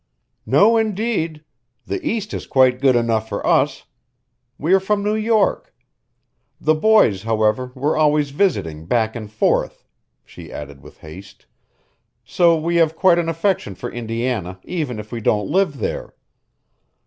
"No, indeed! The East is quite good enough for us. We are from New York. The boys, however, were always visiting back and forth," she added with haste, "so we have quite an affection for Indiana even if we don't live there."